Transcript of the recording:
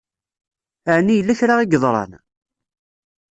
Ɛni yella kra i yeḍṛan?